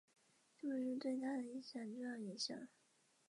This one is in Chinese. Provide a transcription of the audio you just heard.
这本书对他的一生产生了重要影响。